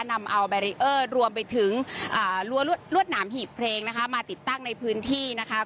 นำเอาแบรีเออร์รวมไปถึงรวดหนามหีบเพลงนะคะมาติดตั้งในพื้นที่นะคะ